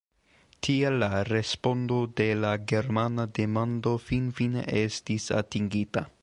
Tiel la respondo de la germana demando finfine estis atingita.